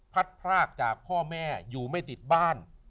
พรากจากพ่อแม่อยู่ไม่ติดบ้าน